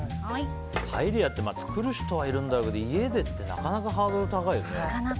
パエリアって作る人はいるけど家でっていうのはなかなかハードル高いよね。